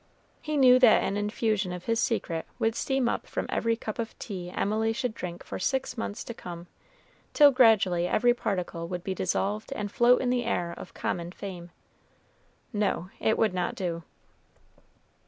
He knew that an infusion of his secret would steam up from every cup of tea Emily should drink for six months to come, till gradually every particle would be dissolved and float in the air of common fame. No; it would not do.